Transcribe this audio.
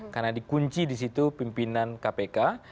karena dikunci di situ pimpinan kpk yang akan setuju